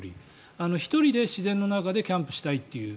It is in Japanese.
１人で自然の中でキャンプしたいという。